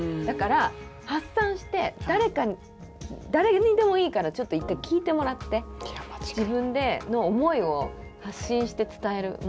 だから発散して誰にでもいいからちょっと一回聞いてもらって自分の思いを発信して伝える。